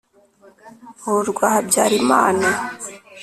ni urwa habyarimana.